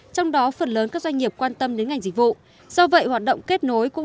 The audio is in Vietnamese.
trong đó phần lớn các doanh nghiệp quan tâm đến ngành dịch vụ do vậy hoạt động kết nối cũng